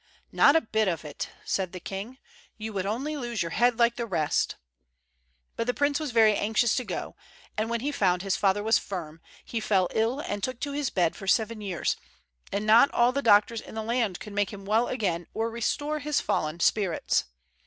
"Not a bit of it," said the king. "You would only lose your head like the rest." But the prince was very anxious to go, and when he found his father was firm, he fell ill and took to his bed for seven years, and not all the doctors in the land could make him well again or restore his fallen spirits.